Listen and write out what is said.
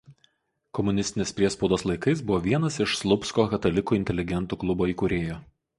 Komunistinės priespaudos laikais buvo vienas iš Slupsko katalikų inteligentų klubo įkūrėjų.